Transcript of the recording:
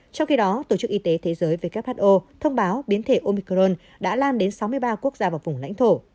trong khi đó tổ chức y tế thế giới who thông báo biến thể omicron đã lan đến sáu mươi ba quốc gia và vùng lãnh thổ